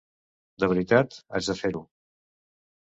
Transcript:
De veritat, haig de fer-ho!